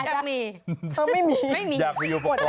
อยากมีไม่มี